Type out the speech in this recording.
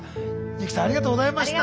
湯木さんありがとうございました。